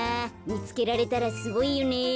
みつけられたらすごいよねえ。